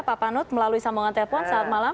pak panut melalui sambungan telepon saat malam